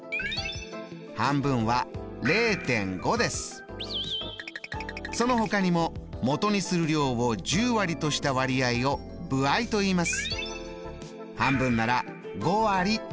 半分はそのほかにももとにする量を１０割とした割合を歩合といいます。